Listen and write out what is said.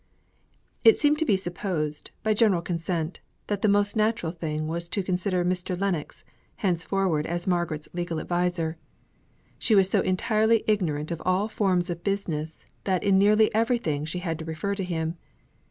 It seemed to be supposed, by general consent, that the most natural thing was to consider Mr. Lennox henceforward as Margaret's legal adviser. She was so entirely ignorant of all forms of business that in nearly everything she had to refer to him.